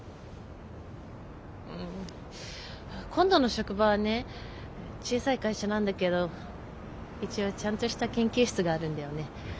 今度の職場はね小さい会社なんだけど一応ちゃんとした研究室があるんだよね。